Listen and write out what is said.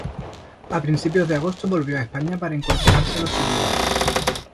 A principios de agosto volvió a España para incorporarse a los sublevados.